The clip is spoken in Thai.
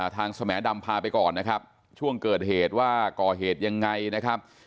สมดำพาไปก่อนนะครับช่วงเกิดเหตุว่าก่อเหตุยังไงนะครับ